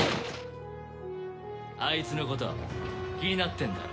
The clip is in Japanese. あいつのこと気になってんだろ。